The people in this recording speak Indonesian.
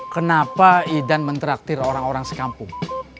kenapa idan mentraktir orang orang sekampung